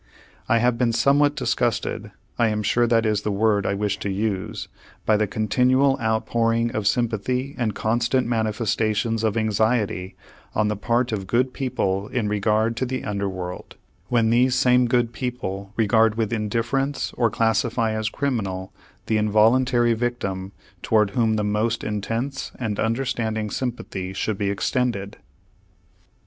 I have been somewhat disgusted I am sure that is the word I wish to use by the continual outpouring of sympathy and constant manifestations of anxiety on the part of good people in regard to the under world, when these same good people regard with indifference or classify as criminal the involuntary victim toward whom the most intense and understanding sympathy should be extended.